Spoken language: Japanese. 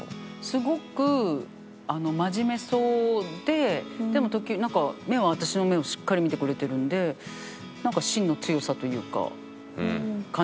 すごく真面目そうででも目は私の目をしっかり見てくれてるんでなんか芯の強さというか感じつつ。